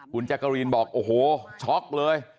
คุณแจ๊กกะรีนบอกโอ้โหช็อกเลย